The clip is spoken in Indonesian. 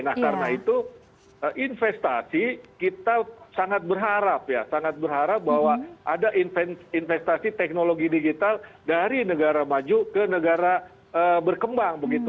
nah karena itu investasi kita sangat berharap ya sangat berharap bahwa ada investasi teknologi digital dari negara maju ke negara berkembang begitu